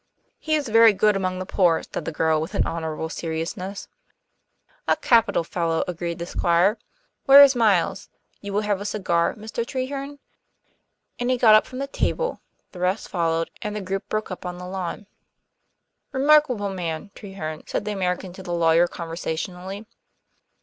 "He is very good among the poor," said the girl with an honorable seriousness. "A capital fellow," agreed the Squire. "Where is Miles? You will have a cigar, Mr. Treherne?" And he got up from the table; the rest followed, and the group broke up on the lawn. "Remarkable man, Treherne," said the American to the lawyer conversationally.